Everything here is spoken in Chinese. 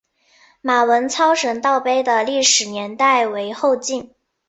马文操神道碑的历史年代为后晋。